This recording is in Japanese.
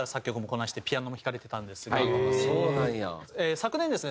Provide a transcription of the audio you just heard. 昨年ですね